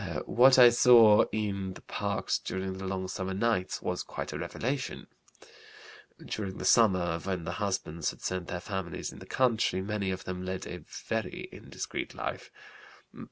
What I saw in the parks during the long summer nights was quite a revelation. During the summer, when the husbands had sent their families in the country, many of them led a very indiscreet life.